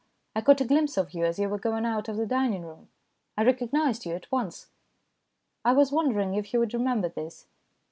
I caught a glimpse of you as you were going out of the dining room, I recognized you at once. I was wondering if you would remember this."